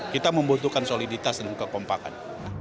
kita membutuhkan soliditas dan kekompakan